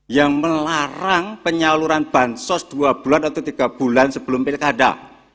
yang melarang penyaluran bansos dua bulan atau tiga bulan sebelum pilkada